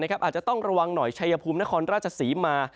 อาจจะต้องระวังหน่อยชัยภูมินครราชศรีมา